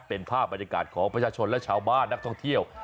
เป็นภาพบรรยากาศของประชาชนและชาวบ้านนักท่องเที่ยว